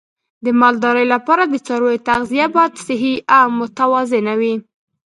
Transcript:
د مالدارۍ لپاره د څارویو تغذیه باید صحي او متوازنه وي.